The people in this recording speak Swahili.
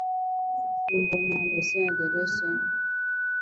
Mbu aina ya Aedesi ndiye husambaza unjwa wa bonde la ufa